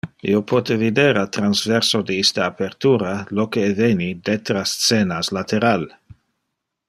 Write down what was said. Io pote vider a transverso de iste apertura lo que eveni detra scenas lateral!